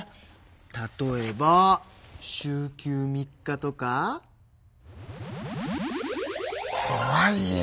例えば週休３日とか。とはいえ。